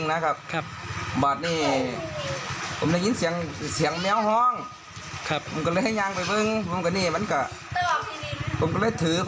นะครับมันน่าริชาใน๑ไม่มีอยู่